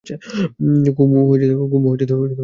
কুমু তখনই চলে গেল।